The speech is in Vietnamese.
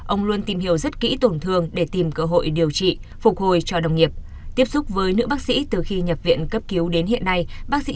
ông luôn tìm hiểu rất kỹ tổn thương để tìm cơ hội điều trị phục hồi cho đồng nghiệp